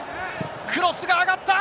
クロスが上がった！